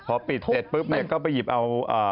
พอปิดเสร็จปุ๊บเนี่ยก็ไปหยิบเอา